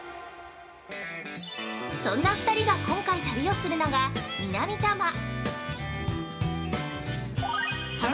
そんな２人が今回旅をするのが南多摩。